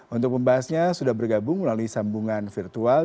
untuk membahasnya sudah bergabung melalui sambungan virtual